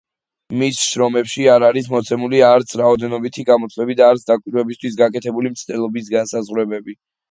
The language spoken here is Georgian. მის შრომებში არ არის მოცემული არც რაოდენობითი გამოთვლები და არც დაკვირვებისათვის გაკეთებული მცდელობების განსაზღვრებები.